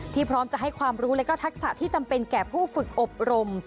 พร้อมจะให้ความรู้และก็ทักษะที่จำเป็นแก่ผู้ฝึกอบรม